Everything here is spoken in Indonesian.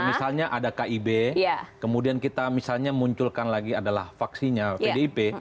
misalnya ada kib kemudian kita misalnya munculkan lagi adalah faksinya pdip